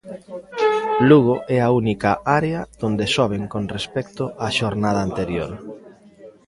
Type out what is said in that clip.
Lugo é a única área onde soben con respecto á xornada anterior.